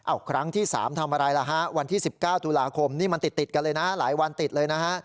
เอาครั้งที่๓ทำอะไรล่ะฮะวันที่๑๙ตุลาคมนี่มันติดกันเลยนะหลายวันติดเลยนะฮะ